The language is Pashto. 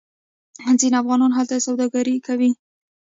ځینې افغانان هلته سوداګري کوي.